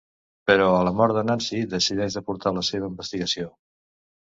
Però a la mort de Nancy decideix de portar la seva investigació.